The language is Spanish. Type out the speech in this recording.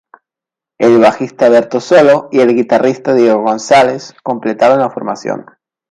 El bajista Berto Soto y el guitarrista Diego González completaban la formación.